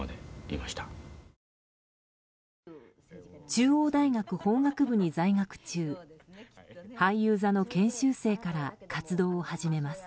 中央大学法学部に在学中俳優座の研修生から活動を始めます。